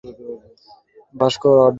আরে ভয়ঙ্কর রকমের অদ্ভুত ছিল।